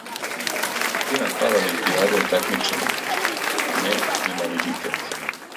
Суштина параолимпијаде је такмичење, а не инвалидитет.